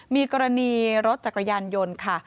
มีกรณีรถจักรยานยนต์ค่ะ